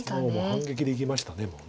反撃でいきましたもう。